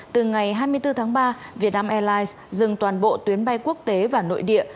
từ ngày hai mươi bốn tháng ba vietnam airlines dừng toàn bộ tuyến bay quốc tế và nội địa